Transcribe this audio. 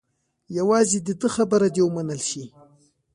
یوازې د ده خبره دې ومنل شي.